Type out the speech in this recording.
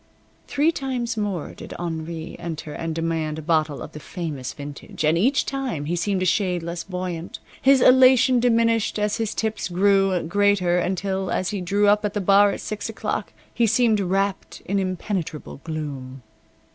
Three times more did Henri enter and demand a bottle of the famous vintage, and each time he seemed a shade less buoyant. His elation diminished as his tips grew greater until, as he drew up at the bar at six o'clock, he seemed wrapped in impenetrable gloom.